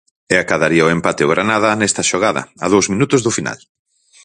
E acadaría o empate o Granada nesta xogada, a dous minutos do final.